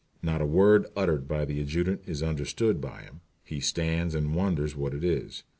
Not a word uttered by the adjutant is understood by him. He stands and wonders what it is.